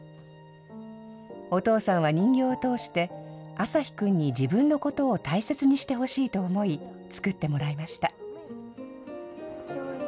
お父さんは人形を通して、あさひ君に自分のことを大切にしてほしいと思い、作ってもらいました。